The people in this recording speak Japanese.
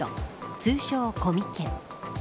通称コミケ。